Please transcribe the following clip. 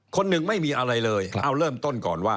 คนหนึ่งไม่มีอะไรเลยเอาเริ่มต้นก่อนว่า